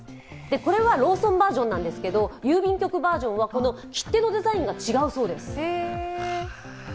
これはローソンバージョンなんですけど、郵便局バージョンは切手のデザインが違うそうです。